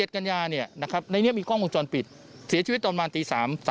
๑๗กันยานี้นะครับในนี้มีกล้องวงจรปิดเสียชีวิตตอนมาตี๓๐